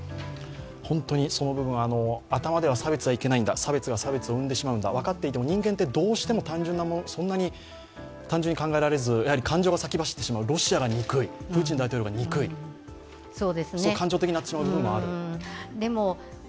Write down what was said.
本当にその部分、頭では差別はいけないんだ、差別は差別を生んでしまうんだ、分かっていても人間ってどうしてもそんなに単純に考えられず感情が先走ってしまう、ロシアが憎い、プーチン大統領が憎い、そう感情的になってしまう部分もある。